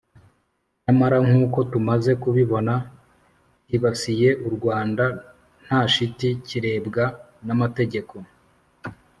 nyamara nkuko tumaze kubibona, cyibasiye u rwanda nta shiti kirebwa n'amategeko